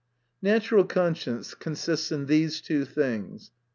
Natural conscience consists in these two things : 1.